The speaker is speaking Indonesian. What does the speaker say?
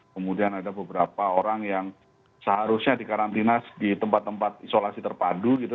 kemudian ada beberapa orang yang seharusnya dikarantina di tempat tempat isolasi terpadu gitu